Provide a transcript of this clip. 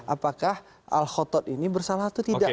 apakah al khotod ini bersalah atau tidak